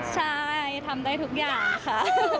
ใช่ทำได้ทุกอย่างค่ะ